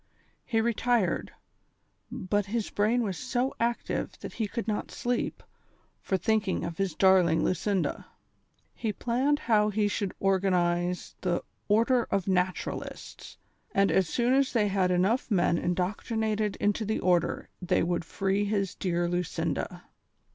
He retired, but his brain was so active that he could not sleep for thinking of his darling Lucinda. He planned how he should organize the " Order of Xatu ralists," and as soon as they had enough men indoctrinated into the order they would free his dear Lucinda.